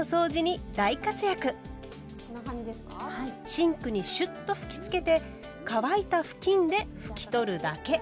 シンクにシュッと吹きつけて乾いた布巾で拭き取るだけ。